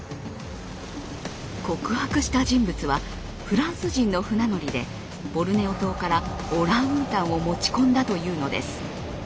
告白した人物はフランス人の船乗りでボルネオ島からオランウータンを持ち込んだというのです。